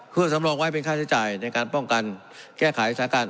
เพื่อสำรองไว้เป็นค่าใช้จ่ายในการป้องกันแก้ไขสถานการณ์